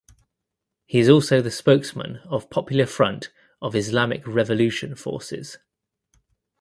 He is also the spokesman of Popular Front of Islamic Revolution Forces.